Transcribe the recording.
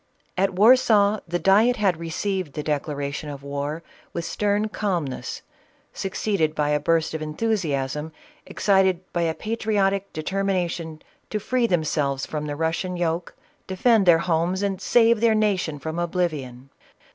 At Warsaw the diet had received the declaration of war with stern calmness, succeeded by a burst of enthusiasm excited by a patriotic determination to free themselves from the Russian yoke, defend their homes, and save their nation from oblivion.